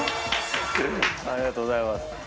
ありがとうございます。